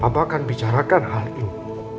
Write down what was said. papa akan bicarakan hal itu